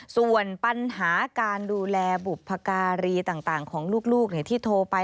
ส่วนปัญหาการดูแลบุพการีต่างของลูกที่โทรไป